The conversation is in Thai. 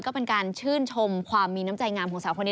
ก็เป็นการชื่นชมความมีน้ำใจงามของสาวคนนี้